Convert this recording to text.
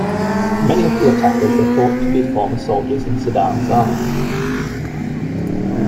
Many of the attackers are thought to be former soldiers in Saddam's army.